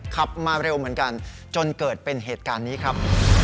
ขับมาเร็วเหมือนกันจนเกิดเป็นเหตุการณ์นี้ครับ